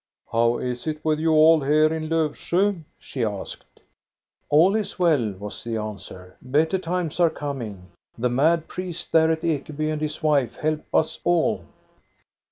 "How is it with you all here in Lofsjo?" she asked. " All is well," was the answer. " Better times are coming. The mad priest there at Ekeby and his wife help us all."